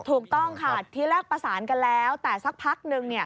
ถูกต้องค่ะทีแรกประสานกันแล้วแต่สักพักนึง